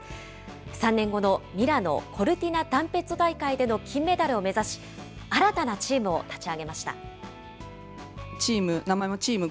３年後のミラノ・コルティナダンペッツォ大会での金メダルを目指し、新たなチームを立ち上げました。